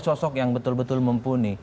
sosok yang betul betul mumpuni